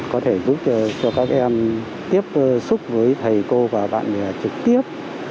có thể giúp cho các em tiếp xúc với thầy cô và bạn bè trực tiếp